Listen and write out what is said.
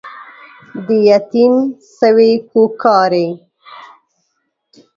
د يتيم سوې کوکارې